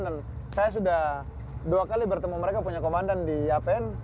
dan saya sudah dua kali bertemu mereka punya komandan di yapen